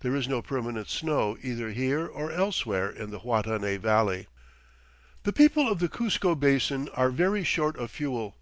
There is no permanent snow either here or elsewhere in the Huatanay Valley. The people of the Cuzco Basin are very short of fuel.